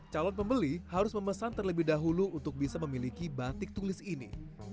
calon pembeli harus memesan terlebih dahulu untuk bisa memiliki batik tulis ini